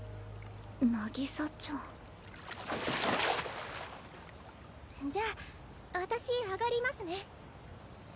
渚ちゃん。じゃあ私上がりますね。